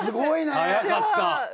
早かった。